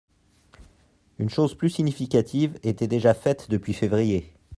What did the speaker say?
Une chose plus significative était déjà faite depuis février.